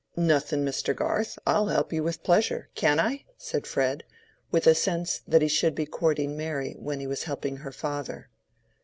"Nothing, Mr. Garth. I'll help you with pleasure—can I?" said Fred, with a sense that he should be courting Mary when he was helping her father.